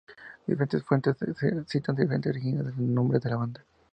Diferentes fuentes citan diferentes orígenes del nombre de la banda.